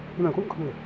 nhưng mà cũng không được